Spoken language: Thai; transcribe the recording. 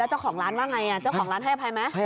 เจ้าของร้านว่าไงเจ้าของร้านให้อภัยไหม